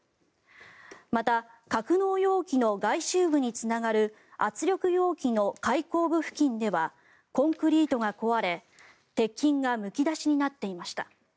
また格納容器の外周部につながる圧力容器の開口部付近ではコンクリートが壊れ鉄筋がむき出しになっていました。